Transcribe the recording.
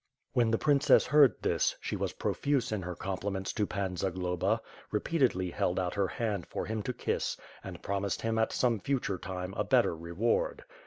When the princess heard this, she was profuse in her compliments to Pan Zagloba, repeat edly held out her hand for him to kiss and promised him at some future time a better reward.